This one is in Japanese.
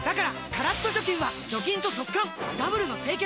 カラッと除菌は除菌と速乾ダブルの清潔！